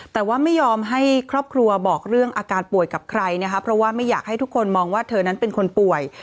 แต่ว่าไม่ยอมให้ครอบครัวบอกเรื่องอาการป่วยกับใครนะคะเพราะว่าไม่อยากให้ทุกคนมองว่าเธอนั้นเป็นคนป่วย